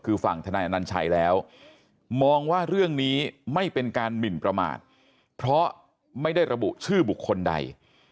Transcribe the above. คือฝั่งธนายอนัญชัยแล้วมองว่าเรื่องนี้ไม่เป็นการหมินประมาทเพราะไม่ได้ระบุชื่อบุคคลใด